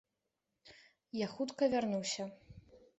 Я хутка вярнуся...